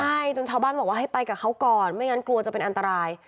ใช่จนชาวบ้านบอกว่าให้ไปกับเขาก่อนไม่งั้นกลัวจะเป็นอันตราย